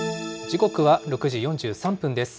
時刻は６時４３分です。